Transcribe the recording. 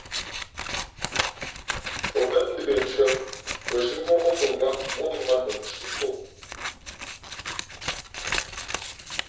O bα̌ ndə̂ndʉ̄ᾱ, o zhī mά ǒ mʉnŋᾱꞌ móꞌmvǎk nu ntʉ̄ᾱ tú o.